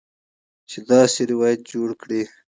چې داسې روایت جوړ کړي